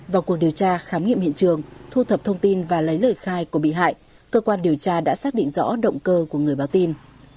vào cuộc điều tra khám nghiệm hiện trường thu thập thông tin và lấy lời khai của bị hại cơ quan điều tra đã xác định rõ động cơ của người báo tin